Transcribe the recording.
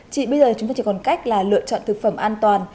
chỉ bây giờ chúng ta chỉ còn cách lựa chọn thực phẩm an toàn